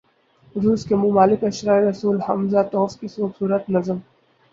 روس کے ملک الشعراء “رسول ھمزہ توف“ کی خوبصورت نظم